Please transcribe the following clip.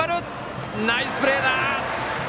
ナイスプレーだ！